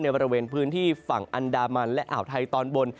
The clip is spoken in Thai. บริเวณพื้นที่ฝั่งอันดามันและอ่าวไทยตอนบน